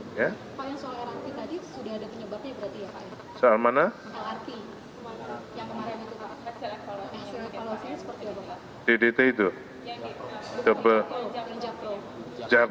pak yang toleransi tadi sudah ada penyebabnya berarti ya pak